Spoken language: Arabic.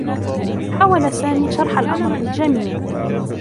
حاول سامي شرح الأمر للجميع.